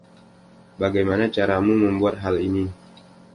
Bagaimana caramu membuat hal ini?